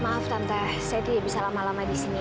maaf tante saya tidak bisa lama lama di sini